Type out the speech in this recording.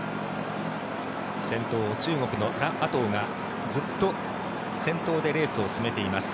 先頭を中国のラ・アトウがずっと先頭でレースを進めています。